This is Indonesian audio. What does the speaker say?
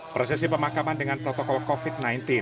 prosesi pemakaman dengan protokol covid sembilan belas